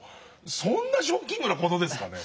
そんなショッキングな事ですかね？